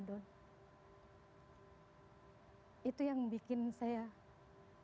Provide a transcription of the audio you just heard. dan satu hal yang harus kita syukuri yang harus kita banggakan adalah ibu dipanggil pulang di sepuluh hari terakhir ramadan